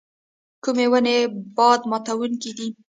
کومې ونې باد ماتوونکي دي؟